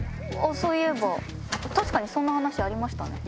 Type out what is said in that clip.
そういえば確かにそんな話ありましたね。